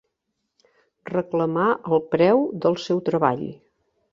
Reclamar el preu del seu treball.